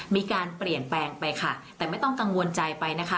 มีการเปลี่ยนแปลงไปค่ะแต่ไม่ต้องกังวลใจไปนะคะ